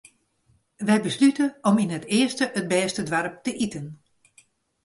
Wy beslute om yn it earste it bêste doarp te iten.